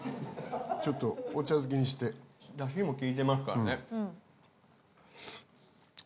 ちょっとお茶漬けにしてだしもきいてますからね